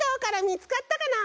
みつかったかな？